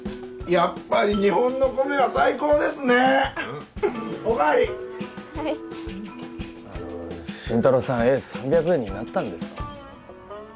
やっぱり日本の米は最高ですねおかわりはいあの新太郎さん絵３００円になったんですか？